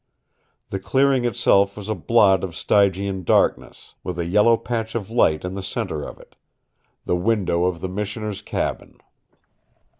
The clearing itself was a blot of stygian darkness, with a yellow patch of light in the center of it the window of the Missioner's cabin.